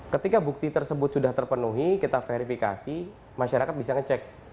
ketika bukti tersebut sudah terpenuhi kita verifikasi masyarakat bisa ngecek